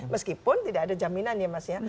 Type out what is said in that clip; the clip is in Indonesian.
meskipun tidak ada jaminan ya mas ya